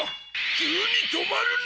急に止まるな！